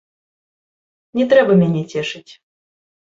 Не трэба мяне цешыць.